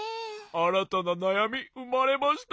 あらたななやみうまれました。